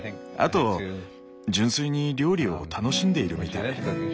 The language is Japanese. あと純粋に料理を楽しんでいるみたい。